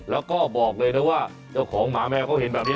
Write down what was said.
แล้วก็บอกเลยนะว่าเจ้าของหมาแมวเขาเห็นแบบนี้